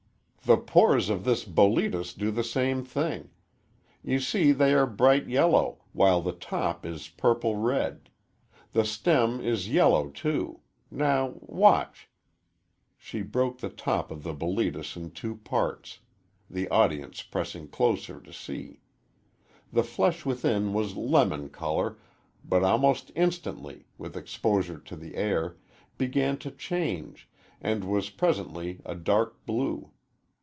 The pores of this Boletus do the same thing. You see they are bright yellow, while the top is purple red. The stem is yellow, too. Now, watch!" She broke the top of the Boletus in two parts the audience pressing closer to see. The flesh within was lemon color, but almost instantly, with exposure to the air, began to change, and was presently a dark blue.